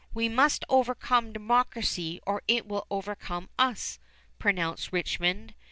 "We must overcome democracy or it will overcome us," pronounced Richmond.